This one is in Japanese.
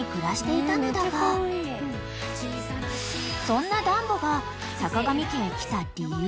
［そんなダンボがさかがみ家へ来た理由］